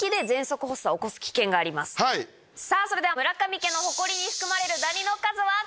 さぁそれでは村上家のホコリに含まれるダニの数は？